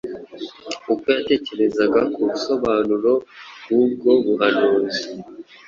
Uko yatekerezaga ku busobanuro bw’ubwo buhanuzi